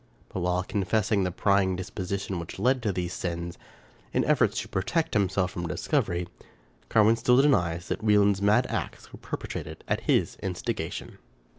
But while confessing the prying disposition which led to these sins, in efforts to protect himself from discovery, Carwin still denies that Wieland's mad acts were perpetrated at his instigation.